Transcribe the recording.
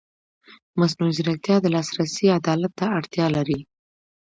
مصنوعي ځیرکتیا د لاسرسي عدالت ته اړتیا لري.